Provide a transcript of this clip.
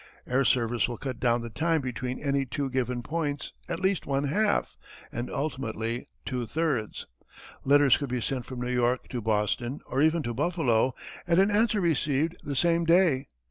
Air service will cut down the time between any two given points at least one half, and ultimately two thirds. Letters could be sent from New York to Boston, or even to Buffalo, and an answer received the same day.